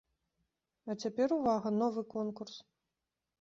А цяпер, увага, новы конкурс!